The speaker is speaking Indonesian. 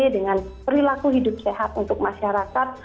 dengan perilaku hidup sehat untuk masyarakat